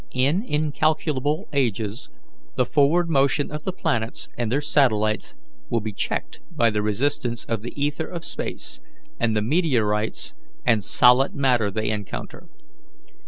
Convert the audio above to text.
"In incalculable ages, the forward motion of the planets and their satellites will be checked by the resistance of the ether of space and the meteorites and solid matter they encounter.